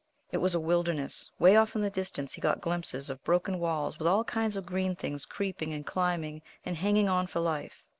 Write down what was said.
It was a wilderness. Way off in the distance he got glimpses of broken walls with all kinds of green things creeping and climbing, and hanging on for life.